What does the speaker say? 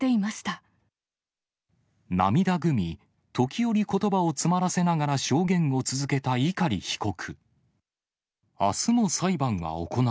涙ぐみ、時折、ことばを詰まらせながら証言を続けた碇被告。